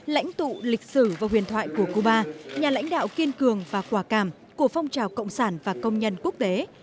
lãnh tụ lịch sử và huyền thoại của cuba nhà lãnh đạo kiên cường và quả càm của phong trào cộng sản và công nhân quốc tế